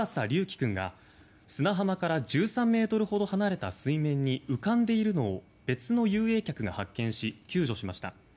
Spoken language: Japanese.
君が砂浜から１３ｍほど離れた水面に浮かんでいるのを別の遊泳客が発見し救助しました。